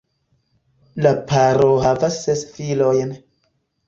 La paro havas ses filojn.